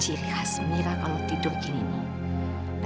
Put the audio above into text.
cilih hasmira kalau tidur gini nih